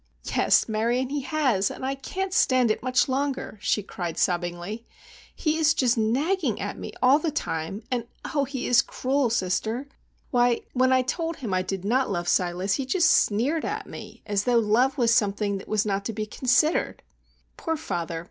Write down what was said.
"Yes, Marion, he has, and I can't stand it much longer!" she cried, sobbingly. "He is just nagging at me all the time, and, oh, he is cruel, sister. Why, when I told him I did not love Silas he just sneered at me as though love was something that was not to be considered!" "Poor father!